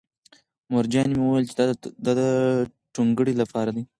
مورجانې مې وویل چې دا د ټونګرې لپاره دی